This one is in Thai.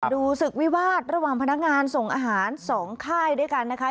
ดูศึกวิวาสระหว่างพนักงานส่งอาหาร๒ค่ายด้วยกันนะคะ